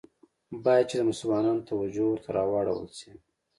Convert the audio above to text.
باید چي د مسلمانانو توجه ورته راوړوله سي.